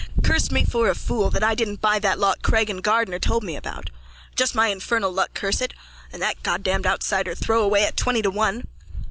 Curse me for a fool that didn't buy that lot Craig and Gardner told me about. Just my infernal luck, curse it. And that Goddamned outsider Throwaway at twenty to one.